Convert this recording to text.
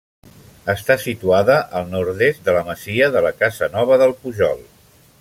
Està situada al nord-est de la masia de La Casa Nova del Pujol.